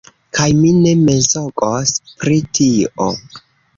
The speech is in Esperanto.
Kaj mi ne mensogos pri tio!